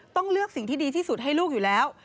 ต้องเลือกสิ่งที่ดีที่สุดให้ลูกอยู่แล้ว